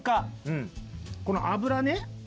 この油ね。